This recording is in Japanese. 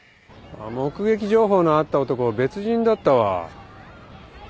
目撃情報のあった男別人だったわ。